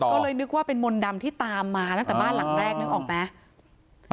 ก็เลยนึกว่าเป็นมนต์ดำที่ตามมาตั้งแต่บ้านหลังแรกนึกออกไหม